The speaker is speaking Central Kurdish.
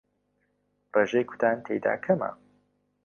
ڕێژەی کوتان تێیدا کەمە